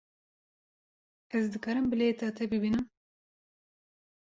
Ez dikarim bilêta te bibînim?